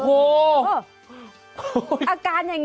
โอ้โห